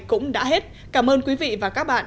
cũng đã hết cảm ơn quý vị và các bạn